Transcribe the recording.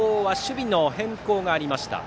明豊は守備の変更がありました。